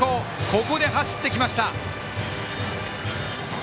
ここで走ってきました。